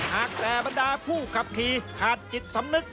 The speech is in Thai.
หากแต่บรรดาผู้ขับขี่ขาดจิตสำนึก